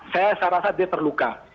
saya rasa dia terluka